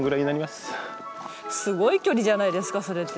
すごい距離じゃないですかそれって。